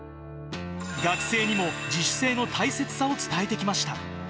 学生にも自主性の大切さを伝えてきました。